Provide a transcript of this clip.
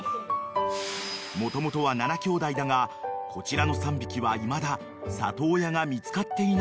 ［もともとは７きょうだいだがこちらの３匹はいまだ里親が見つかっていないという］